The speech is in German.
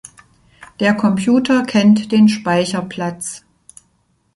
Der Computer kennt den Speicherplatz.